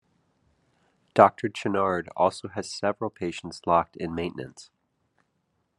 Doctor Channard also has several patients locked in Maintenance.